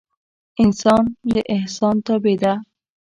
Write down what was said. انسان د احسان تابع ده